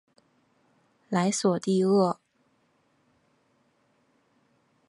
莱索蒂厄。